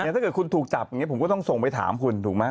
ถ้าเกิดคุณถูกจับอย่างนี้ผมก็ต้องส่งไปถามคุณถูกไหม